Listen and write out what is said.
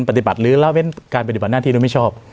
ปฏิบัติหรือเล่าเป็นการปฏิบัติหน้าที่เราไม่ชอบ